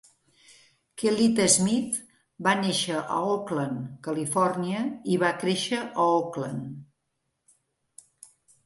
Kellita Smith va néixer a Oakland, Califòrnia, i va créixer a Oakland.